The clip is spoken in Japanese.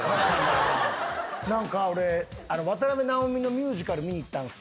何か俺渡辺直美のミュージカル見に行ったんすよ。